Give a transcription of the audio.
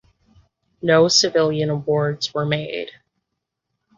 No civilian awards were made.